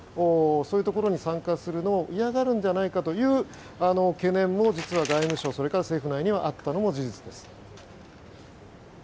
そういうところに参加するのを嫌がるんじゃないかという懸念も実は外務省、政府内にあったのも事実です。